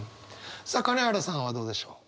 さあ金原さんはどうでしょう？